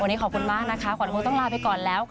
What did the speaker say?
วันนี้ขอบคุณมากนะคะขวัญคงต้องลาไปก่อนแล้ว